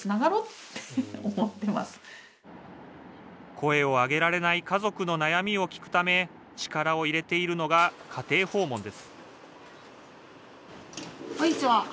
声を上げられない家族の悩みを聞くため力を入れているのが家庭訪問です